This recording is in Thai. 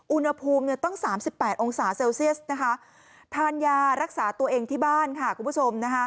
อุณหภูมิต้อง๓๘องศาเซลเซียสนะคะทานยารักษาตัวเองที่บ้านค่ะคุณผู้ชมนะคะ